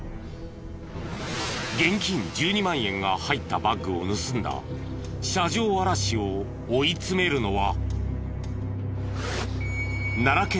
現金１２万円が入ったバッグを盗んだ車上あらしを追い詰めるのは。